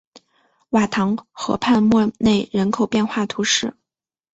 瓦唐河畔默内人口变化图示